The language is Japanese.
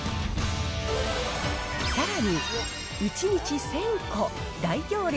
さらに、１日１０００個、大行列